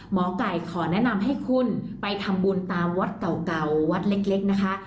หมอไก่ขอแนะนำให้คุณไปทำบุญตามวัดเก่าวัดเล็กนะคะ